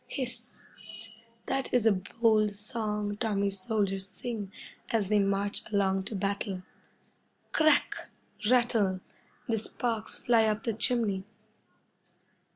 Hist! That is a bold song Tommy's soldiers sing as they march along to battle. Crack! Rattle! The sparks fly up the chimney.